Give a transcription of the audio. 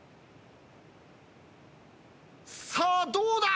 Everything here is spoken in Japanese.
さあどうだ？